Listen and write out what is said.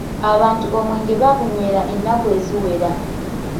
Abantu omwenge baagunywera ennaku eziwera.